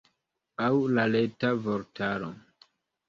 Aŭ la Reta Vortaro?